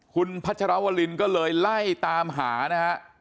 คุณพัชรวรินก็เลยไล่ตามหานะฮะ